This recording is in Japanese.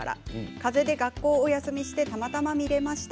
かぜで学校をお休みしてたまたま見れました。